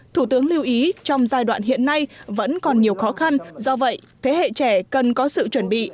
thủ tướng lưu ý trong giai đoạn hiện nay vẫn còn nhiều khó khăn do vậy thế hệ trẻ cần có sự chuẩn bị